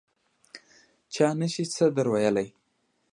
چا نه شي څه در ویلای.